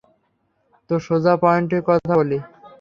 তো সোজা পয়েন্টে কথা বলি।